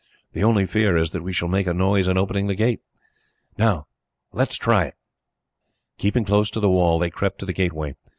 The only fear is that we shall make a noise in opening the gate. "Now, let us try it." Keeping close to the wall, they crept to the gateway.